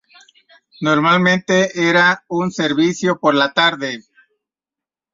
Normalmente era un servicio por la tarde.